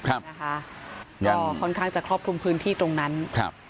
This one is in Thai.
ครับนะคะก็ค่อนข้างจะครอบคลุมพื้นที่ตรงนั้นครับ